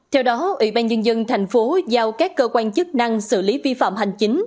theo đó ủy ban nhân dân thành phố giao các cơ quan chức năng xử lý vi phạm hành chính